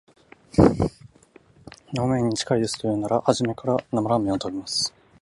生めんに近いですと言うなら、初めから生ラーメン食べます